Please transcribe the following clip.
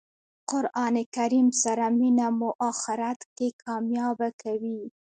قران کریم سره مینه مو آخرت کښي کامیابه کوي.